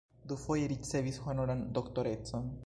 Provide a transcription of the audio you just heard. Dufoje ricevis honoran doktorecon.